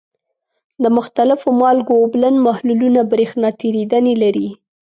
د مختلفو مالګو اوبلن محلولونه برېښنا تیریدنې لري.